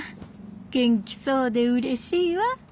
元気そうでうれしいわ。